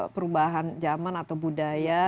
perubahan zaman atau budaya